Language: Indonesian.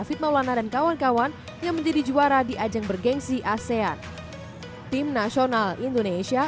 olahraga dan kawan kawan yang menjadi juara di ajang bergengsi asean tim nasional indonesia